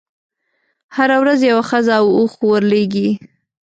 هره ورځ یوه ښځه او اوښ ورلېږي.